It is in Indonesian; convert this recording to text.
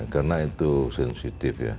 karena itu sensitif ya